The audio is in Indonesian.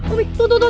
om tuh tuh tuh